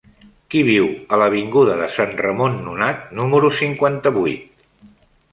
Qui viu a l'avinguda de Sant Ramon Nonat número cinquanta-vuit?